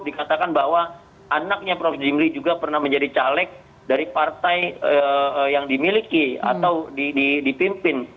dikatakan bahwa anaknya prof jimli juga pernah menjadi caleg dari partai yang dimiliki atau dipimpin